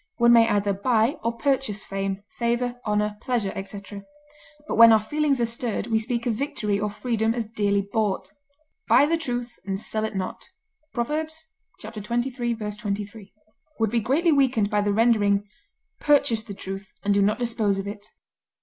One may either buy or purchase fame, favor, honor, pleasure, etc., but when our feelings are stirred we speak of victory or freedom as dearly bought. "Buy the truth, and sell it not" (Prov. xxiii, 23) would be greatly weakened by the rendering "Purchase the truth, and do not dispose of it."